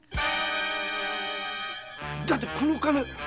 だってこの金。